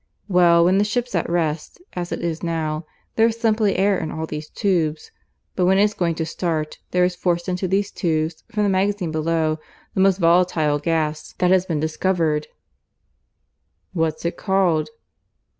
Well, when the ship's at rest, as it is now, there's simply air in all these tubes; but when it's going to start, there is forced into these tubes, from the magazine below, the most volatile gas that has been discovered " "What's it called?"